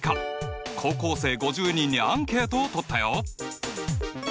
高校生５０人にアンケートをとったよ！